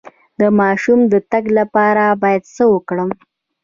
د ماشوم د تګ لپاره باید څه وکړم؟